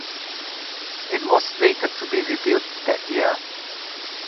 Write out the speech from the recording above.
It was slated to be rebuilt that year.